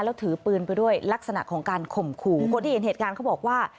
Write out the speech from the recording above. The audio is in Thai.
แล้วถือปืนไปด้วยลักษณะของการข่มขู่คนที่เห็นเหตุการณ์เขาบอกว่า